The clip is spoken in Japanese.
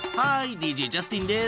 ＤＪジャスティンです。